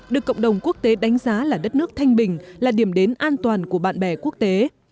được cộng đồng quốc tế đánh giá là đất nước thanh bình là điểm đến an toàn của bạn bè quốc tế